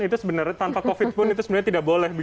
itu sebenarnya tanpa covid pun itu sebenarnya tidak boleh